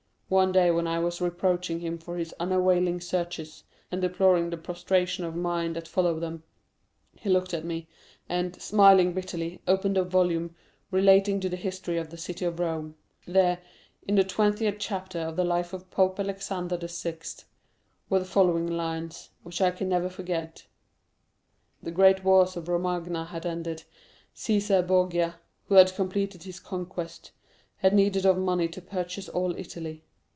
One day when I was reproaching him for his unavailing searches, and deploring the prostration of mind that followed them, he looked at me, and, smiling bitterly, opened a volume relating to the History of the City of Rome. There, in the twentieth chapter of the Life of Pope Alexander VI., were the following lines, which I can never forget:— "'The great wars of Romagna had ended; Cæsar Borgia, who had completed his conquest, had need of money to purchase all Italy.